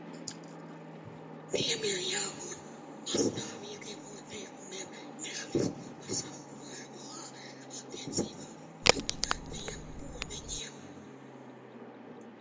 Tiem ir jābūt pastāvīgiem noteikumiem tehnisko pasākumu regulā attiecībā uz minētajiem ūdeņiem.